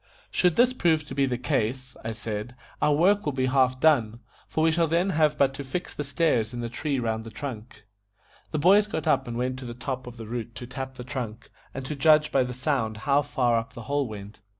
"Should this prove to be the case," I said, "our work will be half done, for we shall then have but to fix the stairs in the tree round the trunk." The boys got up and went to the top of the root to tap the trunk, and to judge by the sound how far up the hole went.